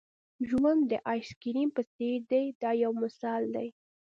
ژوند د آیس کریم په څېر دی دا یو مثال دی.